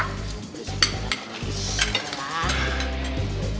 terus kita makan lagi